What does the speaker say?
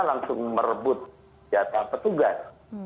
langsung merebut jatah petugas